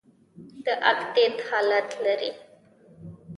د اکتیت حالت لري.